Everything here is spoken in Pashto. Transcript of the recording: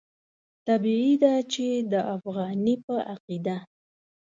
طبیعي ده چې د افغاني په عقیده.